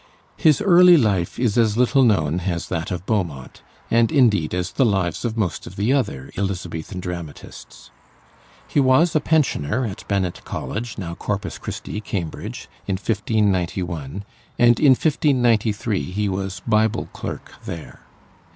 His early life is as little known as that of Beaumont, and indeed as the lives of most of the other Elizabethan dramatists. He was a pensioner at Benet College, now Corpus Christi, Cambridge, in 1591, and in 1593 he was "Bible clerk" there.